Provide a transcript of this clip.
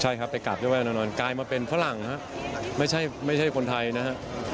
ใช่ครับไปกลับไหว้แซมนอนกลายมาเป็นฝรั่งครับไม่ใช่คนไทยนะครับ